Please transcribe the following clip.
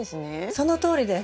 そのとおりです。